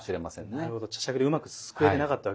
なるほど茶杓でうまくすくえてなかったわけですね。